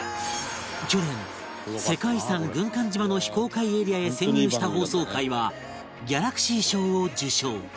去年世界遺産軍艦島の非公開エリアへ潜入した放送回はギャラクシー賞を受賞